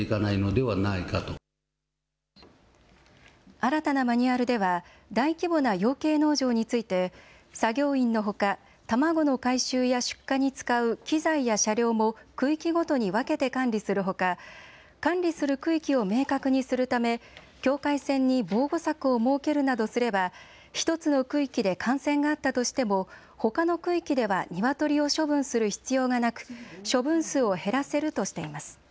新たなマニュアルでは、大規模な養鶏農場について、作業員のほか、卵の回収や出荷に使う機材や車両も区域ごとに分けて管理するほか、管理する区域を明確にするため、境界線に防護柵を設けるなどすれば、１つの区域で感染があったとしてもほかの区域ではニワトリを処分する必要がなく、処分数を減らせるとしています。